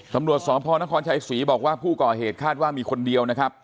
ทำรวจสองพนภชายศีบางอย่างบอกว่าผู้ก่อเหตุฆ่าว่ามีคนเดียวนะครับ